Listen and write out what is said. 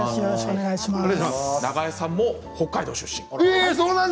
永江さんも北海道出身。